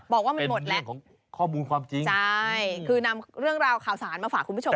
บอกว่ามันหมดแล้วใช่คือนำเรื่องราวข่าวสารมาฝากคุณผู้ชมกัน